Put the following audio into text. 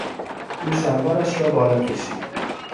او شلوارش را بالا کشید.